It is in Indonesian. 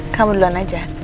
kamu duluan aja